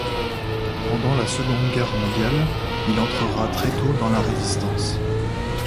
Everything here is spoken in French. Pendant la Seconde Guerre mondiale, il entrera très tôt dans la Résistance.